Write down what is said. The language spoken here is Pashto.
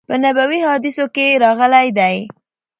په نبوی حادثو کی هم راغلی دی